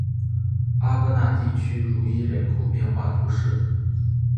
阿戈讷地区茹伊人口变化图示